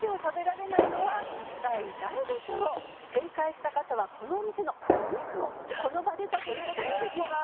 正解した方はこのお店のお肉をこの場で食べる事ができます。